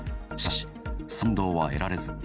しかし、賛同は得られず。